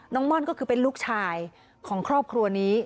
ม่อนก็คือเป็นลูกชายของครอบครัวนี้